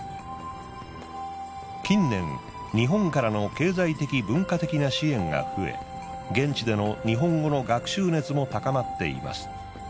近年日本からの経済的・文化的な支援が増え現地での日本語の学習熱も高まっています。